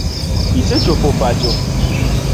Isechopo pacho ?